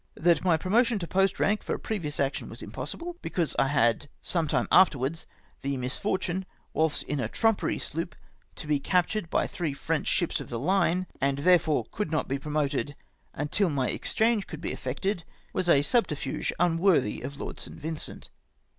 That my promotion to post rank for a previous action was impossible, because I had some time after wards the misfortune, whilst in a trumpery sloop, to be captm ed by three French ships of the hue ; and there fore could not be promoted " until my exchange could he effected,''' was a subterfuge unworthy of Lord St. Vincent.